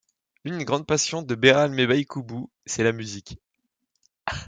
L’une des grandes passions de Béral Mbaïkoubou, c’est la musique.